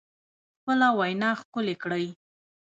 خپله وینا ښکلې کړئ